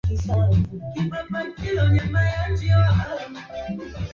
anasema na kuongeza Unaona hayo majengo yote